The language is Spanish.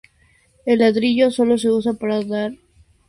El ladrillo solo se usa para dar forma a las troneras.